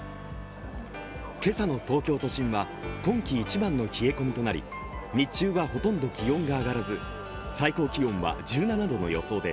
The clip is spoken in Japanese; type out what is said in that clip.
今朝の東京都心は今季一番の冷え込みとなり日中はほとんど気温が上がらず、最高気温は１７度の予想で